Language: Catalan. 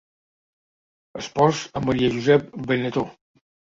Esports amb Maria Josep Benetó.